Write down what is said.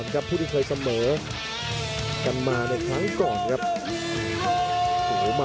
กับทางด้านกระเสมลักษณ์สอบระศพโชคครับ